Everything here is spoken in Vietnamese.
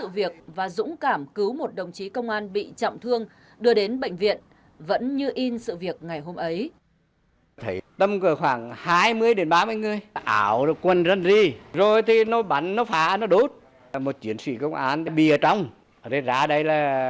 việc và dũng cảm cứu một đồng chí công an bị trọng thương đưa đến bệnh viện vẫn như in sự việc ngày hôm ấy